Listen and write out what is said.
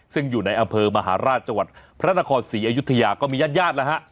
ซึ่งอยู่ในอำเภอมหาราชจังหวัดพระนครศรีอยุธยาก็มีญาติญาติแล้วฮะ